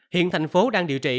hiện thành phố đang điều trị